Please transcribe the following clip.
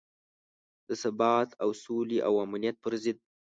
د ثبات او سولې او امنیت پر ضد.